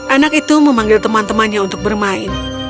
anak itu memanggil teman temannya untuk bermain